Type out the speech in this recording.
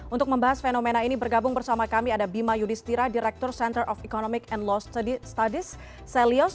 untuk membahas fenomena ini bergabung bersama kami ada bima yudhistira direktur center of economic and law studies selyos